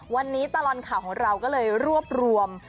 วันนี้ตลอดข่าวของเราก็เลยรวบรวม